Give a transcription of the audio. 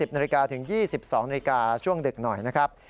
๒๐นถึง๒๒นช่วงดึกหน่อยนะครับ